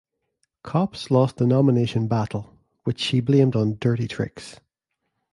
Copps lost the nomination battle, which she blamed on dirty tricks.